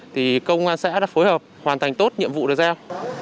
thì công an xã đã phối hợp hoàn thành tốt nhiệm vụ được giao